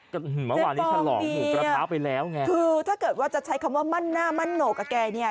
เจฟองบีนี่คือถ้าเกิดว่าจะใช้คำว่ามั่นหน้ามั่นโหนกกับแกนี่